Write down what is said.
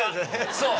そう。